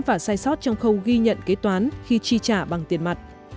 và sai sót trong khâu ghi nhận kế toán khi chi trả bằng tiền mặt